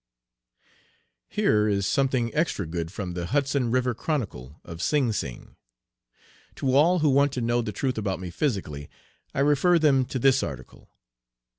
Here is something extra good from the Hudson River Chronicle, of Sing Sing. To all who want to know the truth about me physically, I refer them to this article.